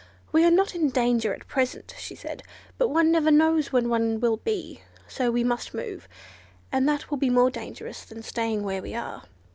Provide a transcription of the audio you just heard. "We are not in danger at present," she said, "but one never knows when one will be, so we must move; and that will be more dangerous than staying where we are."